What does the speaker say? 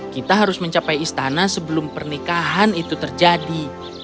kita harus mencapai istana sebelum pernikahan itu terjadi